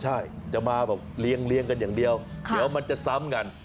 ใช่จะมาแบบเรียงกันอย่างเดียวเดี๋ยวมันจะซ้ำกัน